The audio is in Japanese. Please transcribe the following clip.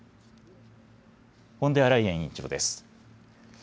フォンデアライエン委員長です。